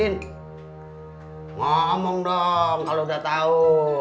ngomong dong kalau udah tahu